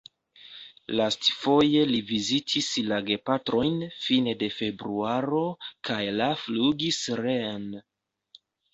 Lastfoje li vizitis la gepatrojn fine de februaro kaj la flugis reen.